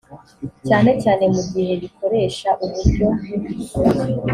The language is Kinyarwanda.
cyane cyane mu gihe bikoresha uburyo